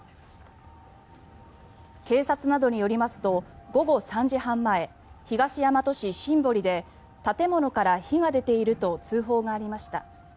警察などによりますと午後３時半前東大和市新堀で建物から火が出ていると通報がありました。